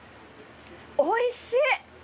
おいしい！